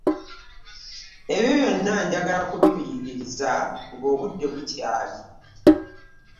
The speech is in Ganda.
Ebyo byona njagala kubikuyigiriza nga obudde bukyali.